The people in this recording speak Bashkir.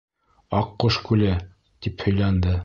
Аҡҡош күле... — тип һөйләнде.